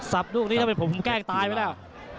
ลูกนี้ถ้าเป็นผมแกล้งตายไปแล้ว